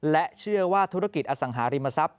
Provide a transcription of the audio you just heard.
และเชื่อว่าธุรกิจอสังหาริมทรัพย